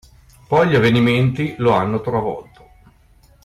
Poi gli avvenimenti lo hanno travolto.